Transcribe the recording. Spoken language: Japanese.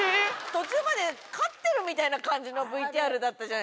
途中まで勝ってるみたいな感じのＶＴＲだったじゃないですか。